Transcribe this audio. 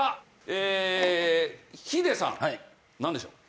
えヒデさんなんでしょう？